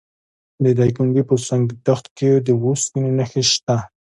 د دایکنډي په سنګ تخت کې د وسپنې نښې شته.